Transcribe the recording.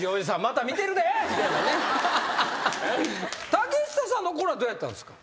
竹下さんのころはどうやったんですか？